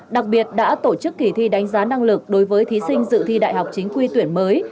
đặc biệt đã tổ chức kỳ thi đánh giá năng lực đối với thí sinh dự thi đại học chính quy tuyển mới